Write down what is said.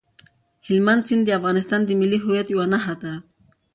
هلمند سیند د افغانستان د ملي هویت یوه نښه ده.